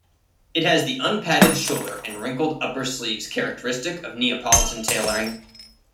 It has the unpadded shoulder and wrinkled upper sleeves characteristic of Neapolitan tailoring.